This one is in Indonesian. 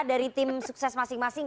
dari tim sukses masing masing